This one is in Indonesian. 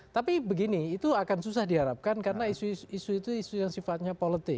tapi begini itu akan susah diharapkan karena isu isu itu isu yang sifatnya politik